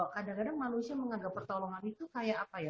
kadang kadang manusia menganggap pertolongan itu kayak apa ya